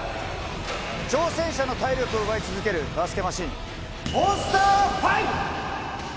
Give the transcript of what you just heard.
挑戦者の体力を奪い続けるバスケマシン、モンスター５。